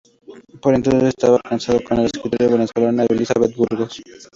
Por entonces estaba casado con la escritora venezolana Elizabeth Burgos.